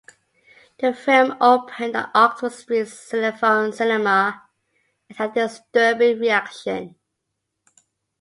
The film opened at Oxford Street's Cinephone cinema and had a disturbing reaction.